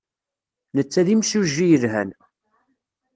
Netta d imsujji yelhan.